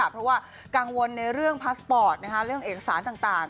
เพราะว่ากังวลในเรื่องพาสปอร์ตเรื่องเอกสารต่าง